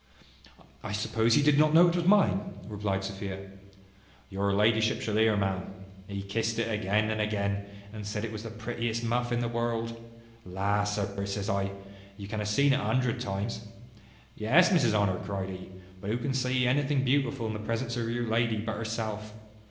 "I suppose he did not know it was mine," replied Sophia. "Your ladyship shall hear, ma'am. He kissed it again and again, and said it was the prettiest muff in the world. La! sir, says I, you have seen it a hundred times. Yes, Mrs Honour, cried he; but who can see anything beautiful in the presence of your lady but herself?